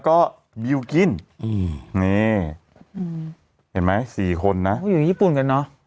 ก็บิวกินอืมนี่เห็นไหมสี่คนนะเขาอยู่ญี่ปุ่นกันเนอะ